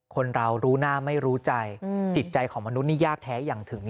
คนเรารู้หน้าไม่รู้ใจจิตใจของมนุษย์นี่ยากแท้อย่างถึง